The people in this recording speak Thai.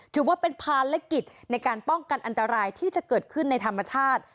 ถือว่าเป็นภารกิจในการป้องกันอันตรายที่จะเกิดขึ้นในธรรมชาติ